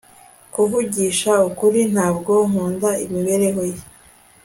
kuvugisha ukuri, ntabwo nkunda imibereho ye